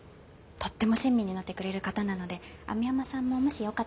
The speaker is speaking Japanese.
とっても親身になってくれる方なので網浜さんももしよかったら。